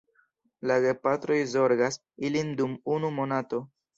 La gepatroj zorgas ilin dum unu monato.